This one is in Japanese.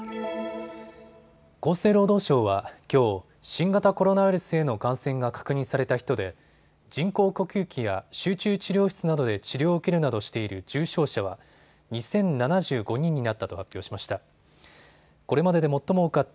厚生労働省は、きょう新型コロナウイルスへの感染が確認された人で人工呼吸器や集中治療室などで治療を受けるなどしている重症者は２０７５人になったと発表しました。